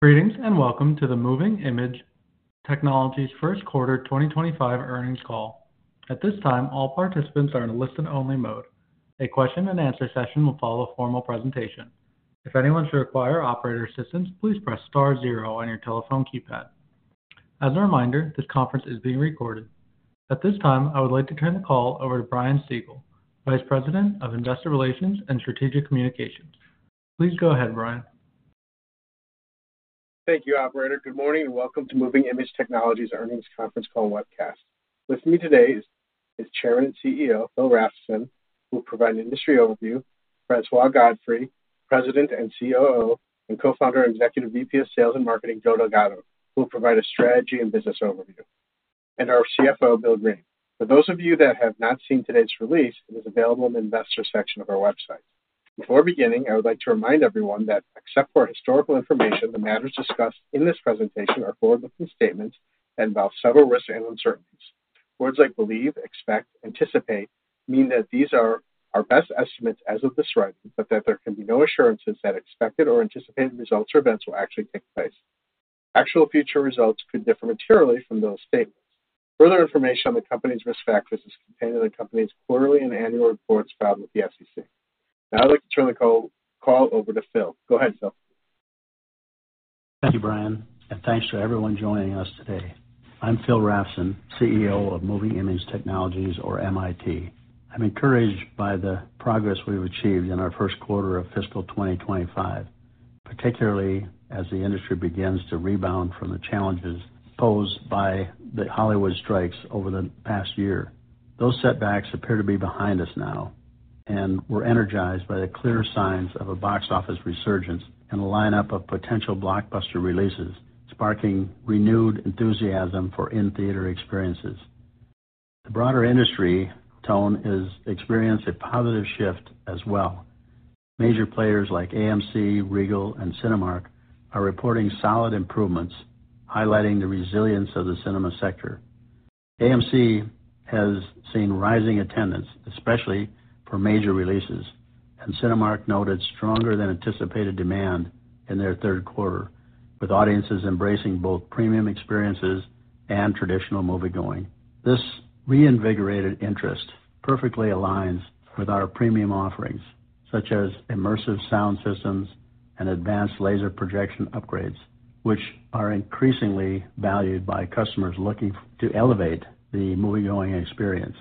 Greetings and welcome to the Moving iMage Technologies first quarter 2025 earnings call. At this time, all participants are in a listen-only mode. A question-and-answer session will follow a formal presentation. If anyone should require operator assistance, please press star zero on your telephone keypad. As a reminder, this conference is being recorded. At this time, I would like to turn the call over to Brian Siegel, Vice President of Investor Relations and Strategic Communications. Please go ahead, Brian. Thank you, Operator. Good morning and welcome to Moving iMage Technologies earnings conference call webcast. With me today is Chairman and CEO Phil Rafnson, who will provide an industry overview, Francois Godfrey, President and COO, and Co-founder and Executive VP of Sales and Marketing Joe Delgado, who will provide a strategy and business overview, and our CFO, Bill Greene. For those of you that have not seen today's release, it is available in the investor section of our website. Before beginning, I would like to remind everyone that, except for historical information, the matters discussed in this presentation are forward-looking statements that involve several risks and uncertainties. Words like believe, expect, anticipate mean that these are our best estimates as of this writing, but that there can be no assurances that expected or anticipated results or events will actually take place. Actual future results could differ materially from those statements. Further information on the company's risk factors is contained in the company's quarterly and annual reports filed with the SEC. Now I'd like to turn the call over to Phil. Go ahead, Phil. Thank you, Brian, and thanks to everyone joining us today. I'm Phil Rafnson, CEO of Moving iMage Technologies, or MIT. I'm encouraged by the progress we've achieved in our first quarter of fiscal 2025, particularly as the industry begins to rebound from the challenges posed by the Hollywood strikes over the past year. Those setbacks appear to be behind us now, and we're energized by the clear signs of a box office resurgence and a lineup of potential blockbuster releases, sparking renewed enthusiasm for in-theater experiences. The broader industry tone has experienced a positive shift as well. Major players like AMC, Regal, and Cinemark are reporting solid improvements, highlighting the resilience of the cinema sector. AMC has seen rising attendance, especially for major releases, and Cinemark noted stronger-than-anticipated demand in their third quarter, with audiences embracing both premium experiences and traditional moviegoing. This reinvigorated interest perfectly aligns with our premium offerings, such as immersive sound systems and advanced laser projection upgrades, which are increasingly valued by customers looking to elevate the moviegoing experience.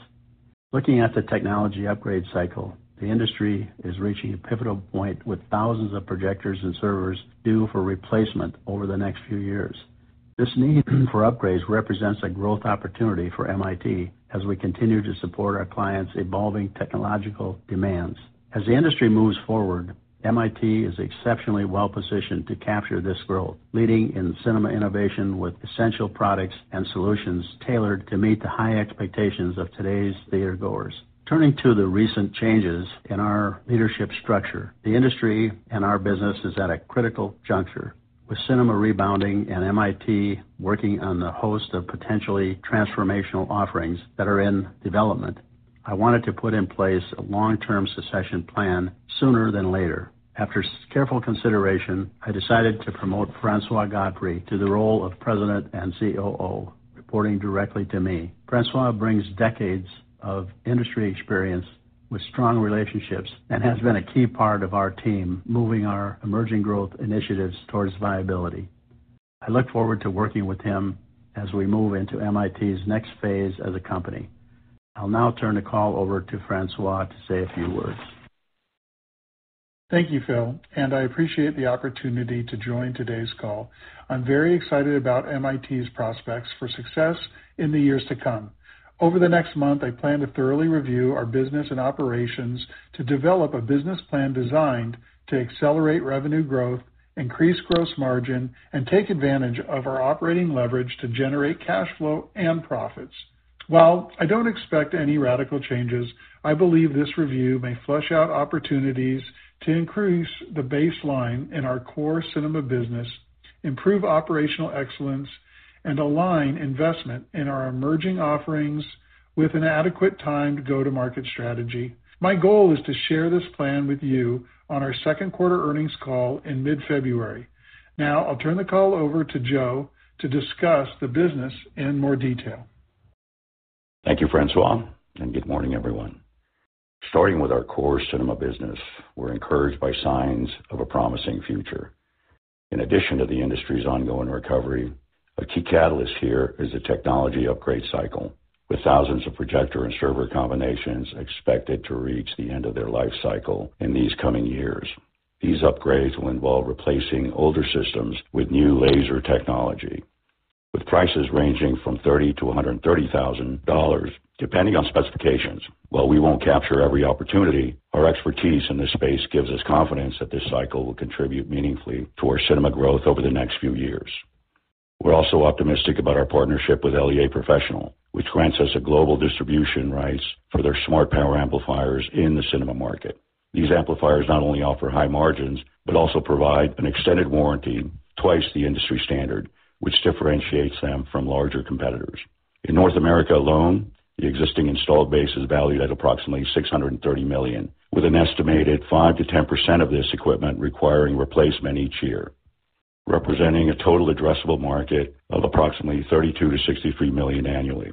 Looking at the technology upgrade cycle, the industry is reaching a pivotal point with thousands of projectors and servers due for replacement over the next few years. This need for upgrades represents a growth opportunity for MIT as we continue to support our clients' evolving technological demands. As the industry moves forward, MIT is exceptionally well-positioned to capture this growth, leading in cinema innovation with essential products and solutions tailored to meet the high expectations of today's theatergoers. Turning to the recent changes in our leadership structure, the industry and our business is at a critical juncture. With cinema rebounding and MIT working on the host of potentially transformational offerings that are in development, I wanted to put in place a long-term succession plan sooner than later. After careful consideration, I decided to promote Francois Godfrey to the role of President and COO, reporting directly to me. Francois brings decades of industry experience with strong relationships and has been a key part of our team moving our emerging growth initiatives towards viability. I look forward to working with him as we move into MIT's next phase as a company. I'll now turn the call over to Francois to say a few words. Thank you, Phil, and I appreciate the opportunity to join today's call. I'm very excited about MIT's prospects for success in the years to come. Over the next month, I plan to thoroughly review our business and operations to develop a business plan designed to accelerate revenue growth, increase gross margin, and take advantage of our operating leverage to generate cash flow and profits. While I don't expect any radical changes, I believe this review may flush out opportunities to increase the baseline in our core cinema business, improve operational excellence, and align investment in our emerging offerings with an adequate timed go-to-market strategy. My goal is to share this plan with you on our second quarter earnings call in mid-February. Now I'll turn the call over to Joe to discuss the business in more detail. Thank you, Francois, and good morning, everyone. Starting with our core cinema business, we're encouraged by signs of a promising future. In addition to the industry's ongoing recovery, a key catalyst here is the technology upgrade cycle, with thousands of projector and server combinations expected to reach the end of their life cycle in these coming years. These upgrades will involve replacing older systems with new laser technology, with prices ranging from $30,000-$130,000, depending on specifications. While we won't capture every opportunity, our expertise in this space gives us confidence that this cycle will contribute meaningfully to our cinema growth over the next few years. We're also optimistic about our partnership with LEA Professional, which grants us global distribution rights for their smart power amplifiers in the cinema market. These amplifiers not only offer high margins but also provide an extended warranty, twice the industry standard, which differentiates them from larger competitors. In North America alone, the existing installed base is valued at approximately $630 million, with an estimated 5%-10% of this equipment requiring replacement each year, representing a total addressable market of approximately $32 million-$63 million annually.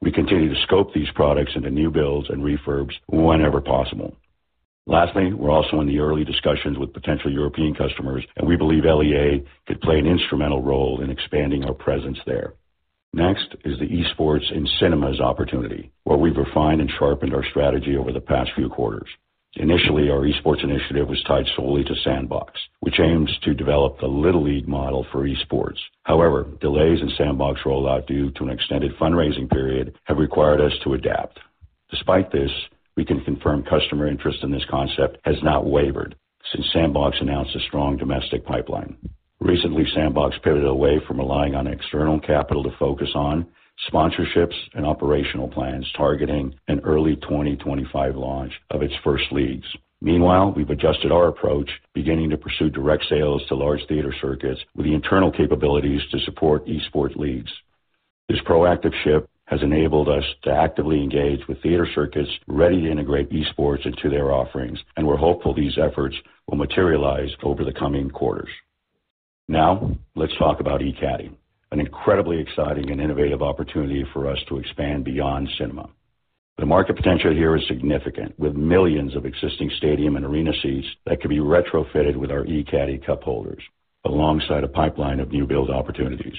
We continue to scope these products into new builds and refurbs whenever possible. Lastly, we're also in the early discussions with potential European customers, and we believe LEA could play an instrumental role in expanding our presence there. Next is the eSports in cinemas opportunity, where we've refined and sharpened our strategy over the past few quarters. Initially, our eSports initiative was tied solely to Sandbox, which aims to develop the Little League model for eSports. However, delays in Sandbox rollout due to an extended fundraising period have required us to adapt. Despite this, we can confirm customer interest in this concept has not wavered since Sandbox announced a strong domestic pipeline. Recently, Sandbox pivoted away from relying on external capital to focus on sponsorships and operational plans targeting an early 2025 launch of its first leagues. Meanwhile, we've adjusted our approach, beginning to pursue direct sales to large theater circuits with the internal capabilities to support eSports leagues. This proactive shift has enabled us to actively engage with theater circuits ready to integrate eSports into their offerings, and we're hopeful these efforts will materialize over the coming quarters. Now let's talk about E-Caddy, an incredibly exciting and innovative opportunity for us to expand beyond cinema. The market potential here is significant, with millions of existing stadium and arena seats that could be retrofitted with our E-Caddy cup holders alongside a pipeline of new build opportunities.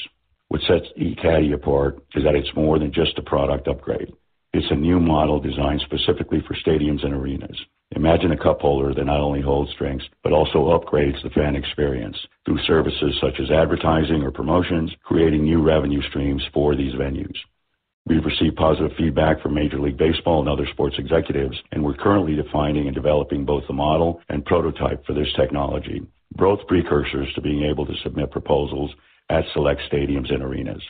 What sets E-Caddy apart is that it's more than just a product upgrade. It's a new model designed specifically for stadiums and arenas. Imagine a cup holder that not only holds drinks but also upgrades the fan experience through services such as advertising or promotions, creating new revenue streams for these venues. We've received positive feedback from Major League Baseball and other sports executives, and we're currently defining and developing both the model and prototype for this technology, both precursors to being able to submit proposals at select stadiums and arenas.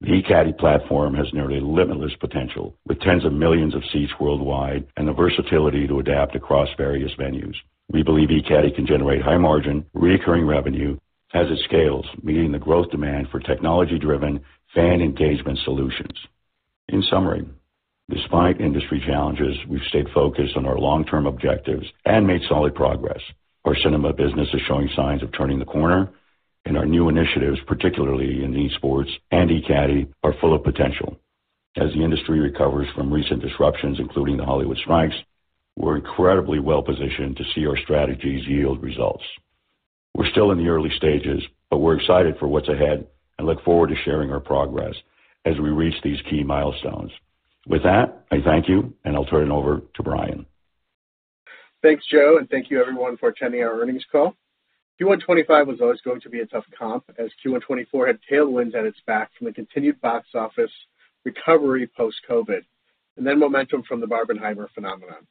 The E-Caddy platform has nearly limitless potential, with tens of millions of seats worldwide and the versatility to adapt across various venues. We believe E-Caddy can generate high-margin, recurring revenue as it scales, meeting the growth demand for technology-driven fan engagement solutions. In summary, despite industry challenges, we've stayed focused on our long-term objectives and made solid progress. Our cinema business is showing signs of turning the corner, and our new initiatives, particularly in eSports and E-Caddy, are full of potential. As the industry recovers from recent disruptions, including the Hollywood strikes, we're incredibly well-positioned to see our strategies yield results. We're still in the early stages, but we're excited for what's ahead and look forward to sharing our progress as we reach these key milestones. With that, I thank you, and I'll turn it over to Brian. Thanks, Joe, and thank you, everyone, for attending our earnings call. Q1 2025 was always going to be a tough comp, as Q1 2024 had tailwinds at its back from the continued box office recovery post-COVID and then momentum from the Barbenheimer phenomenon.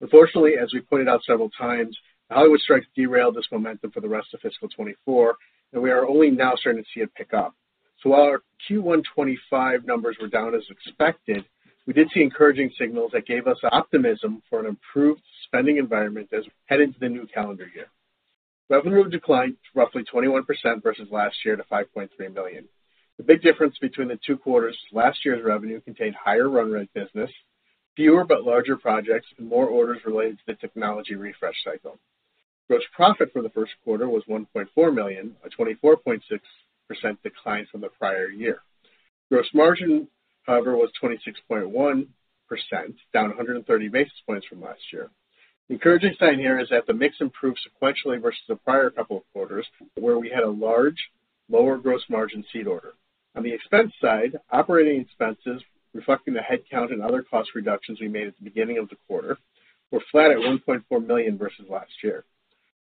Unfortunately, as we pointed out several times, the Hollywood strikes derailed this momentum for the rest of fiscal 2024, and we are only now starting to see it pick up. So while our Q1 2025 numbers were down as expected, we did see encouraging signals that gave us optimism for an improved spending environment as we head into the new calendar year. Revenue declined roughly 21% versus last year to $5.3 million. The big difference between the two quarters, last year's revenue contained higher run rate business, fewer but larger projects, and more orders related to the technology refresh cycle. Gross profit for the first quarter was $1.4 million, a 24.6% decline from the prior year. Gross margin, however, was 26.1%, down 130 basis points from last year. The encouraging sign here is that the mix improved sequentially versus the prior couple of quarters, where we had a large, lower gross margin seed order. On the expense side, operating expenses, reflecting the headcount and other cost reductions we made at the beginning of the quarter, were flat at $1.4 million versus last year.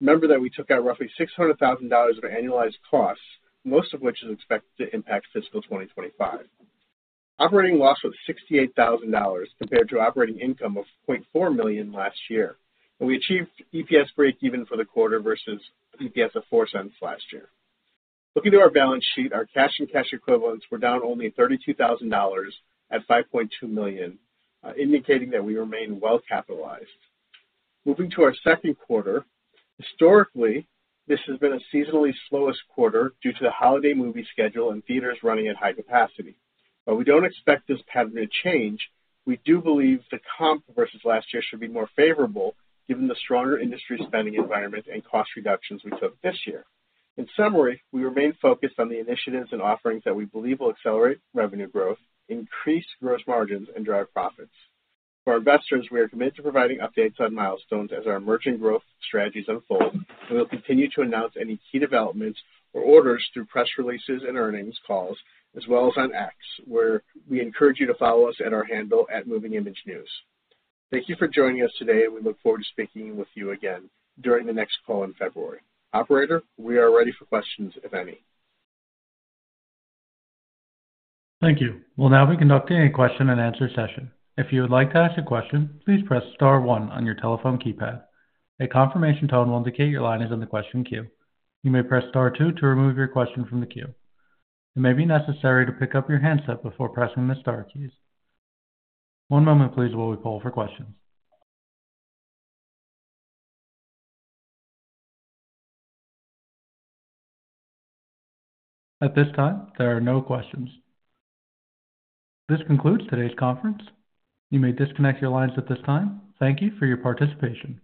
Remember that we took out roughly $600,000 of annualized costs, most of which is expected to impact fiscal 2025. Operating loss was $68,000 compared to operating income of $0.4 million last year, and we achieved EPS break-even for the quarter versus EPS of $0.04 last year. Looking at our balance sheet, our cash and cash equivalents were down only $32,000 at $5.2 million, indicating that we remain well-capitalized. Moving to our second quarter, historically, this has been a seasonally slowest quarter due to the holiday movie schedule and theaters running at high capacity. While we don't expect this pattern to change, we do believe the comp versus last year should be more favorable given the stronger industry spending environment and cost reductions we took this year. In summary, we remain focused on the initiatives and offerings that we believe will accelerate revenue growth, increase gross margins, and drive profits. For our investors, we are committed to providing updates on milestones as our emerging growth strategies unfold, and we'll continue to announce any key developments or orders through press releases and earnings calls, as well as on X, where we encourage you to follow us at our handle @MovingImageNews. Thank you for joining us today, and we look forward to speaking with you again during the next call in February. Operator, we are ready for questions, if any. Thank you. We'll now be conducting a question-and-answer session. If you would like to ask a question, please press Star 1 on your telephone keypad. A confirmation tone will indicate your line is on the question queue. You may press Star 2 to remove your question from the queue. It may be necessary to pick up your handset before pressing the Star keys. One moment, please, while we poll for questions. At this time, there are no questions. This concludes today's conference. You may disconnect your lines at this time. Thank you for your participation.